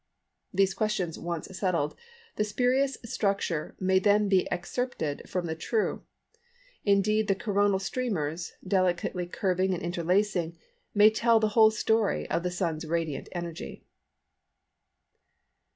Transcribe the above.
These questions once settled, the spurious structure may then be excerpted from the true. Indeed the coronal streamers, delicately curving and interlacing, may tell the whole story of the Sun's radiant energy."